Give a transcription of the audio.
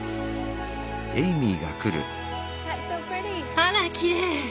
あらきれい！